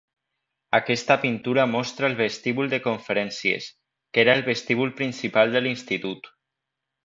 Aquesta pintura mostra el vestíbul de conferències, que era el vestíbul principal de l'Institut.